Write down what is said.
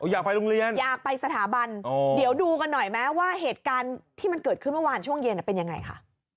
อยากไปโรงเรียนอยากไปสถาบันเดี๋ยวดูกันหน่อยไหมว่าเหตุการณ์ที่มันเกิดขึ้นเมื่อวานช่วงเย็นเป็นยังไงค่ะ